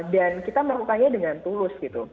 dan kita melakukannya dengan tulus gitu